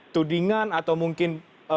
tudingan atau mungkin